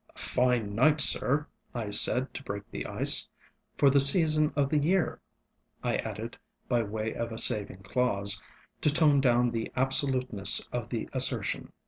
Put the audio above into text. ŌĆ£A fine night, sir, ŌĆØ I said to break the iceŌĆöŌĆ£for the season of the year, ŌĆØ I added by way of a saving clause, to tone down the absoluteness of the assertion.